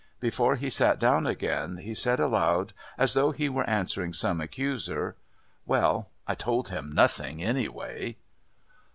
Before he sat down again he said aloud, as though he were answering some accuser, "Well, I told him nothing, anyway."